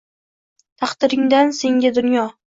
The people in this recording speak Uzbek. Taqdiringdan senga dunyo